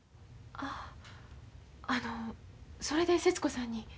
ああのそれで節子さんに？